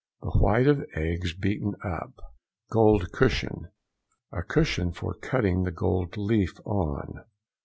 —The white of eggs beaten up. GOLD CUSHION.—A cushion for cutting the gold leaf on.